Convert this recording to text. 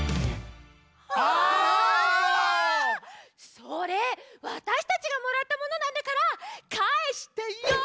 それわたしたちがもらったものなんだからかえしてヨー！